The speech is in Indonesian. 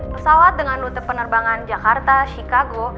pesawat dengan rute penerbangan jakarta chicago